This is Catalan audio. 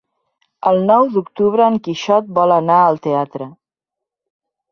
El nou d'octubre en Quixot vol anar al teatre.